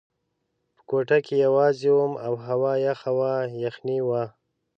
په کوټه کې یوازې وم او هوا یخه وه، یخنۍ وه.